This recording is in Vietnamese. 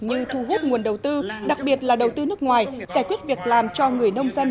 như thu hút nguồn đầu tư đặc biệt là đầu tư nước ngoài giải quyết việc làm cho người nông dân